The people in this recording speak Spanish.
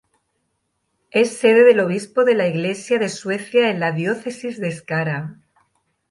Es sede del obispo de la Iglesia de Suecia en la Diócesis de Skara.